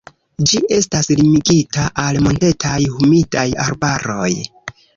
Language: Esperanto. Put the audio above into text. Ĝi estas limigita al montetaj humidaj arbaroj.